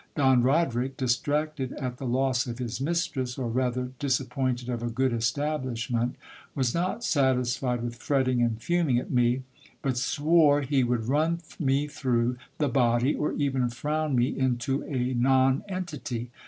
Don Roderic, distracted at the loss of his mistress, or rather disap pointed of a good establishment, was not satisfied with fretting and fuming at me, but swore he would run me through the body, or even frown me into a nonentity.